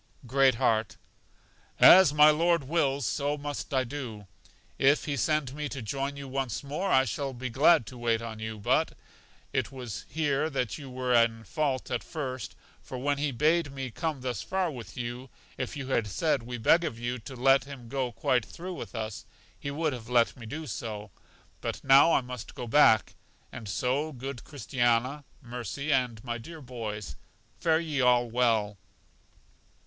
Great heart: As my Lord wills, so must I do; if He send me to join you once more, I shall be glad to wait on you. But it was here that you were in fault at first, for when He bade me come thus far with you, if you had said, We beg of you to let him go quite through with us, He would have let me do so. But now I must go back; and so good Christiana, Mercy and my dear boys, fare ye all well.